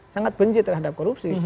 sangat benci terhadap korupsi